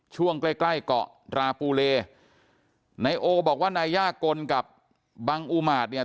ช่วงใกล้ใกล้เกาะราปูเลนายโอบอกว่านายย่ากลกับบังอุมาตเนี่ย